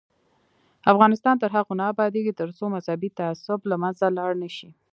افغانستان تر هغو نه ابادیږي، ترڅو مذهبي تعصب له منځه لاړ نشي.